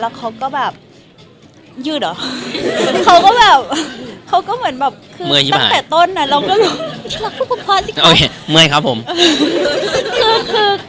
แล้วเขาก็แบบยืดหรอเขาก็เหมือนแบบตั้งแต่ต้นเราก็รู้ไม่ได้รักทุกคนพอสิคะ